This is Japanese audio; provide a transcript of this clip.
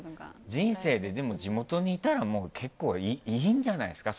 人生で、地元にいたら結構いいんじゃないですか？